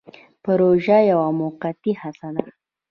پروژه یوه موقتي هڅه ده